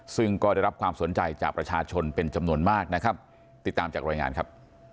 ซึ่งก็ได้รับความสนใจจากประชาชนเป็นจำนวนมากนะครับติดตามจากรายงานครับ